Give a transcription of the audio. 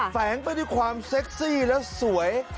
แฝงไปที่ความเซ็กซี่และสวย